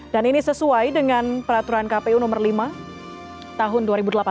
dan ini sesuai dengan peraturan kpu nomor lima tahun dua ribu delapan belas